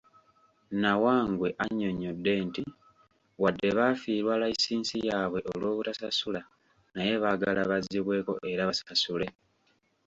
Nawangwe annyonnyodde nti wadde baafiirwa layisinsi yaabwe olw'obutasasula naye baagala bazzibweko era basasule.